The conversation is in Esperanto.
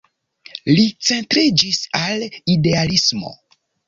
Li centriĝis al idealismo.